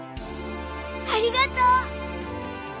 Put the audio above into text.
ありがとう！